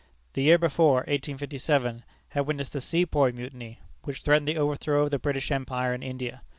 The year before (1857) had witnessed the Sepoy Mutiny, which threatened the overthrow of the British Empire in India.